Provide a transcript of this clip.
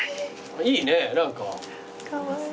いいね何か。